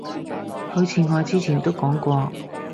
好似我之前都講過